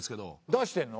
出してんの？